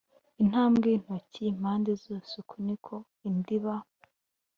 intambwe y intoki impande zose Uko ni ko indiba